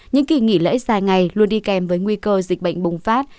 những kỳ nghỉ lễ dài ngày luôn đi kèm với nguy cơ dịch bệnh bùng phát